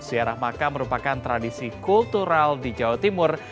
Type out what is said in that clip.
ziarah makam merupakan tradisi kultural di jawa timur